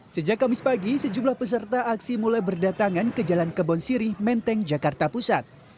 sejak kamis pagi sejumlah peserta aksi mulai berdatangan ke jalan kebon sirih menteng jakarta pusat